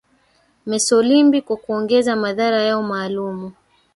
mesolimbi kwa kuongeza madhara yao maalum